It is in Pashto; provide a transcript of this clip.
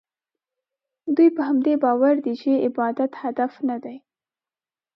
دوی په همدې باور دي چې عبادت هدف نه دی.